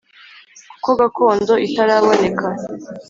Kuko gakondo itaraboneka.